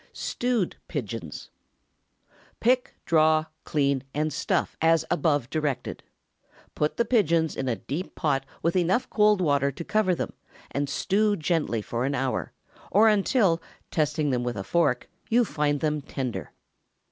STEWED PIGEONS. Pick, draw, clean and stuff as above directed. Put the pigeons in a deep pot with enough cold water to cover them, and stew gently for an hour, or until, testing them with a fork, you find them tender.